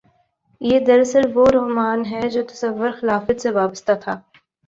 یہ دراصل وہ رومان ہے جو تصور خلافت سے وابستہ تھا۔